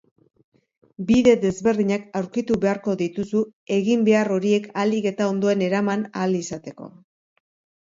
Bide desberdinak aurkitu beharko dituzu eginbehar horiek ahalik eta ondoen eraman ahal izateko.